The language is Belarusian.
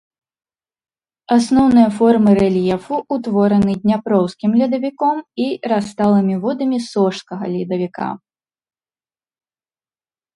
Асноўныя формы рэльефу ўтвораны дняпроўскім ледавіком і расталымі водамі сожскага ледавіка.